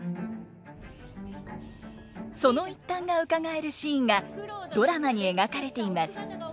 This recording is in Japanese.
その一端がうかがえるシーンがドラマに描かれています。